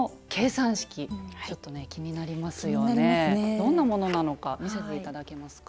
どんなものなのか見せて頂けますか？